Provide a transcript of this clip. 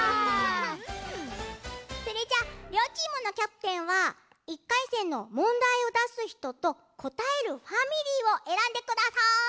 それじゃりょうチームのキャプテンは１かいせんのもんだいをだすひととこたえるファミリーをえらんでください！